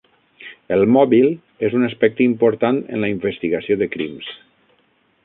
El mòbil és un aspecte important en la investigació de crims.